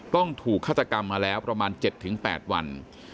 ต้องถูกฆาตกรรมมาแล้วประมาณ๗๘วัน